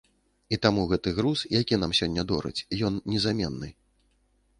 І таму гэты груз, які нам сёння дораць, ён незаменны.